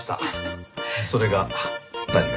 それが何か？